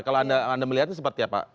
kalau anda melihatnya seperti apa